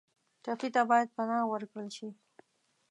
ټپي ته باید پناه ورکړل شي.